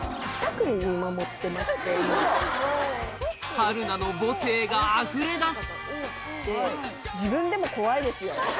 春菜の母性があふれ出す！